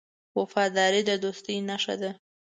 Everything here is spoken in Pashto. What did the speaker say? وفاداري د دوستۍ نښه ده.